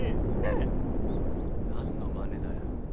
何のまねだよ。